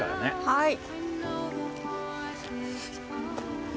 はい。